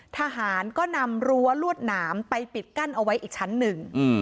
ทหารก็นำรั้วลวดหนามไปปิดกั้นเอาไว้อีกชั้นหนึ่ง